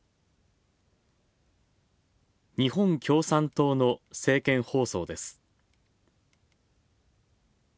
日本共産党の政見放送です。